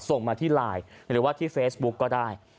ส่งมาที่ไลน์หรือว่าที่เฟซบุ๊กก็ได้